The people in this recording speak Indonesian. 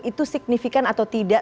itu signifikan atau tidak